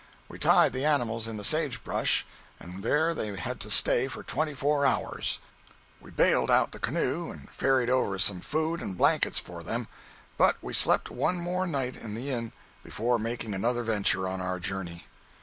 We tied the animals in the sage brush and there they had to stay for twenty four hours. We baled out the canoe and ferried over some food and blankets for them, but we slept one more night in the inn before making another venture on our journey.